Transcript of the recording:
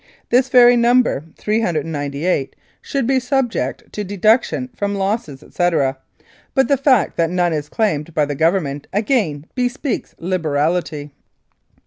This very number, 398, should be subject to deduction from losses, etc., but the fact that none is claimed by the Government again bespeaks liberality.